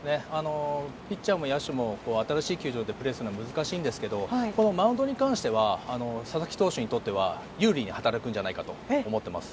ピッチャーも野手も新しい球場でプレーするのは難しいんですけれどもこのマウンドに関しては佐々木投手にとっては有利に働くんじゃないかと思っています。